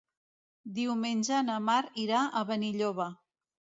Diumenge na Mar irà a Benilloba.